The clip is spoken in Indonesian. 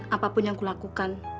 apapun yang kulakukan